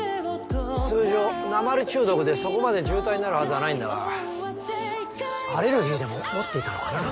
通常鉛中毒でそこまで重体になるはずはないんだがアレルギーでも持っていたのかな？